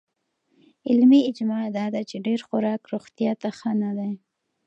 علمي اجماع دا ده چې ډېر خوراک روغتیا ته ښه نه دی.